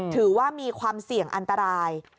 ถือว่ามีความเสี่ยงอันตราย